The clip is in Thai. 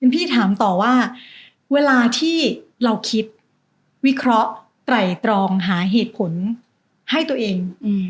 พี่ถามต่อว่าเวลาที่เราคิดวิเคราะห์ไตรตรองหาเหตุผลให้ตัวเอง